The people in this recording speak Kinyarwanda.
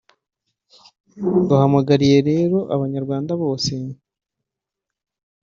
Duhamagariye lero abanyarwanda bose